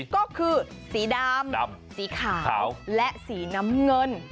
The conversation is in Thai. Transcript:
ก็คือสีดำสีขาวและสีน้ำเงิน